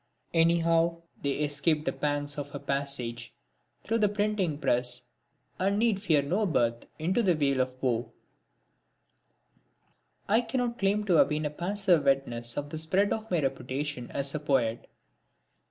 Anyhow they escaped the pangs of a passage through the printing press and need fear no birth into this vale of woe. I cannot claim to have been a passive witness of the spread of my reputation as a poet.